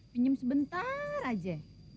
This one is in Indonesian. pinjam sebentar aja